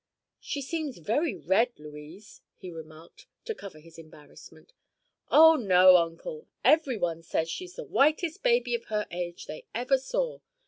"She seems very red, Louise," he remarked, to cover his embarrassment. "Oh, no, Uncle! Everyone says she's the whitest baby of her age they ever saw.